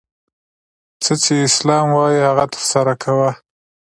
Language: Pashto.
څه چي اسلام وايي هغه ترسره کوه!